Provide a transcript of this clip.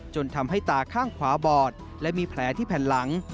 จนทำให้ตาข้างขวาบอดและมีแผลที่แผ่นหลัง